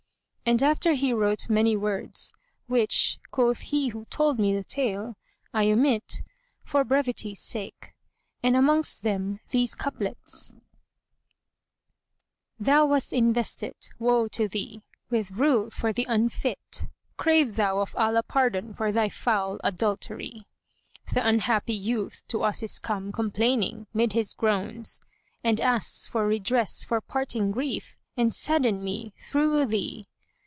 And after he wrote many words, which (quoth he who told me the tale) I omit, for brevity's sake, and amongst them these couplets:— Thou wast invested (woe to thee!)[FN#148] with rule for thee unfit; * Crave thou of Allah pardon for thy foul adultery. Th' unhappy youth to us is come complaining 'mid his groans * And asks redress for parting grief and saddened me through thee.